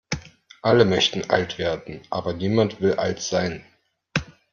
Alle möchten alt werden, aber niemand will alt sein.